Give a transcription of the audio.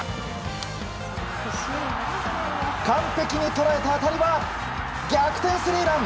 完璧に捉えた当たりは逆転スリーラン。